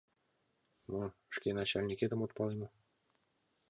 — Мо, шке начальникетым от пале мо?